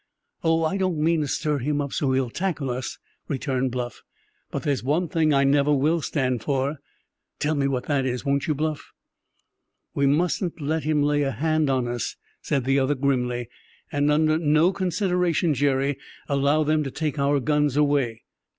"Oh, I don't mean to stir him up so he'll tackle us," returned Bluff; "but there's one thing I never will stand for." "Tell me what that is, won't you, Bluff?" "We mustn't let him lay a hand on us," said the other grimly; "and under no consideration, Jerry, allow them to take our guns away.